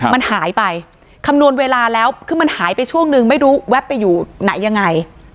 มันหายไปคำนวณเวลาแล้วคือมันหายไปช่วงนึงไม่รู้แป๊บไปอยู่ไหนยังไง